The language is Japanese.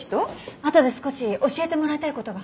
あとで少し教えてもらいたい事が。